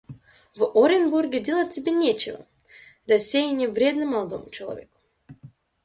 В Оренбурге делать тебе нечего; рассеяние вредно молодому человеку.